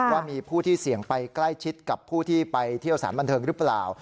ว่ามีผู้ที่เสี่ยงไปใกล้ชิดกับผู้ที่ไปเที่ยวสารบันเทิงหรือเปล่า